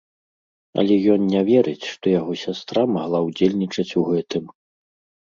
Але ён не верыць, што яго сястра магла ўдзельнічаць у гэтым.